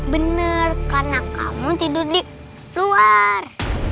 benar karena kamu tidur di luar